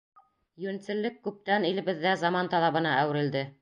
Йүнселлек күптән илебеҙҙә заман талабына әүерелде.